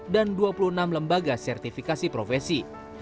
dan dua puluh enam lembaga sertifikasi profesi